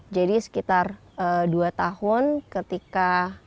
jadi sekitar dua tahun ketika